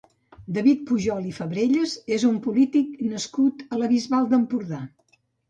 David Pujol i Fabrellas és un polític nascut a la Bisbal d'Empordà.